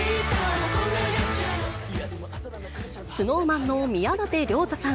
ＳｎｏｗＭａｎの宮舘涼太さん。